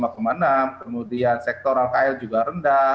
kemudian sektor al qaeda juga rendah